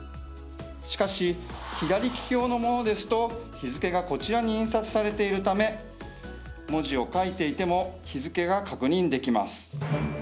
しかし左利き用のものですと、日付がこちらに印刷されているため文字を書いていても日付が確認できます。